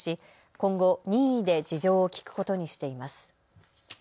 今後、任意で事情を聴くことにしています。